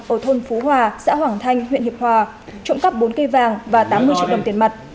ở thôn phú hòa xã hoàng thanh huyện hiệp hòa trộm cắp bốn cây vàng và tám mươi triệu đồng tiền mặt